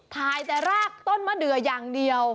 ถ่ายแต่รากต้นมะเดืออย่างเดียว